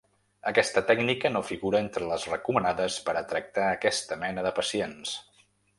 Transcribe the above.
Aquesta tècnica no figura entre les recomanades per a tractar aquesta mena de pacients.